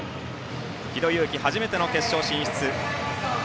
城戸優来、初めての決勝進出。